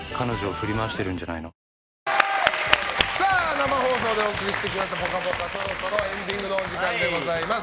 生放送でお送りしてきました「ぽかぽか」そろそろエンディングのお時間です。